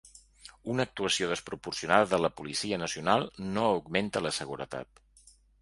Una actuació desproporcionada de la policia nacional no augmenta la seguretat.